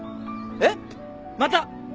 えっ？また。